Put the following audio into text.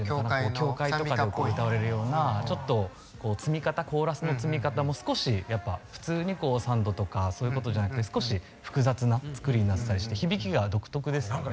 教会とかで歌われるようなちょっとコーラスの積み方も少しやっぱ普通に３度とかそういうことじゃなくて少し複雑な作りになってたりして響きが独特ですよね。